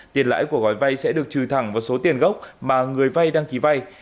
tiền lãi của gói vay sẽ được trừ thẳng vào số tiền gốc mà người vay đăng ký vay